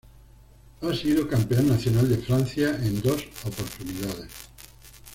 Ha sido campeón nacional de Francia en dos oportunidades.